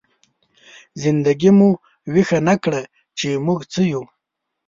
زنده ګي مو ويښه نه کړه، چې موږ څه يو؟!